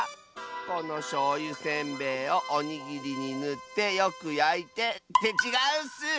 このしょうゆせんべいをおにぎりにぬってよくやいてってちがうッス！